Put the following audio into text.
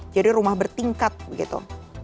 jadi rumah bertingkat begitu